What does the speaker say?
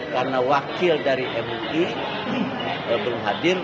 karena wakil dari mui belum hadir